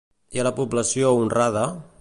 I a la població honrada?